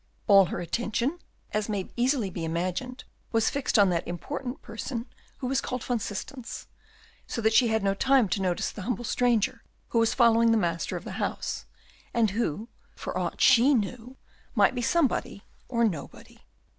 All her attention, as may be easily imagined, was fixed on that important person who was called Van Systens, so that she had no time to notice the humble stranger who was following the master of the house, and who, for aught she knew, might be somebody or nobody.